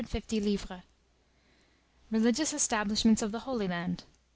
150 " Religious establishments of the Holy Land